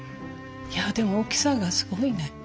いやでも大きさがすごいね。